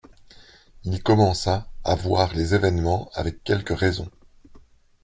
Il commença à voir les événements avec quelque raison.